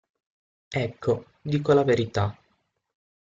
Ecco, dico la verità.